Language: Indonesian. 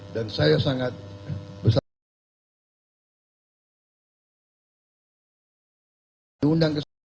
dan saya sangat bersyukur